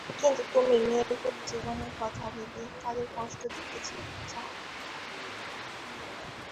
কিন্তু তুমি, মেয়েগুলোর জীবনের কথা ভেবে, তাদের কষ্ট দিতে চাও না।